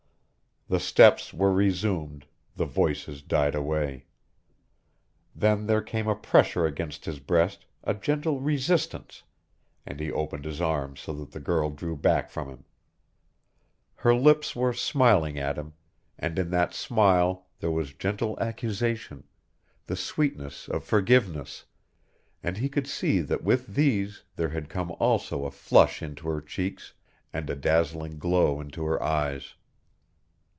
The steps were resumed, the voices died away. Then there came a pressure against his breast, a gentle resistance, and he opened his arms so that the girl drew back from him. Her lips were smiling at him, and in that smile there was gentle accusation, the sweetness of forgiveness, and he could see that with these there had come also a flush into her cheeks and a dazzling glow into her eyes.